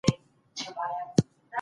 کار د ټولني د پرمختګ څرخ دی.